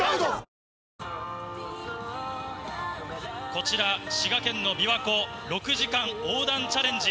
こちら、滋賀県のびわ湖６時間横断チャレンジ。